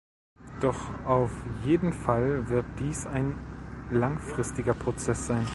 Doch auf jeden Fall wird dies ein langfristiger Prozess sein.